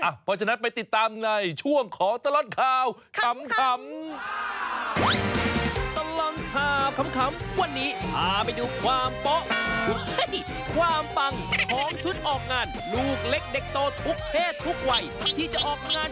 เพราะฉะนั้นไปติดตามในช่วงของตลอดข่าวขำ